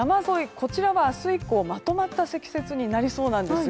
こちらは明日以降まとまった積雪になりそうなんですよ。